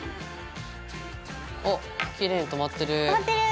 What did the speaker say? あっきれいにとまってる！